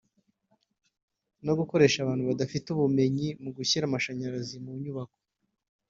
no gukoresha abantu badafite ubumenyi mu gushyira amashanyarazi mu nyubako